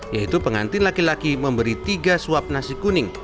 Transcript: yaitu pengantin laki laki memberi tiga suap nasi kuning